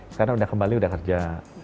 sekarang udah kembali udah kerja